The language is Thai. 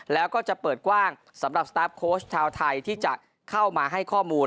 แล้วก็จะเปิดกว้างสำหรับสตาร์ฟโค้ชชาวไทยที่จะเข้ามาให้ข้อมูล